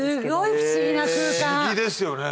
不思議ですよね。